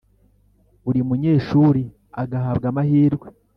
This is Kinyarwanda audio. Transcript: buri munyeshuri agahabwa amahirwe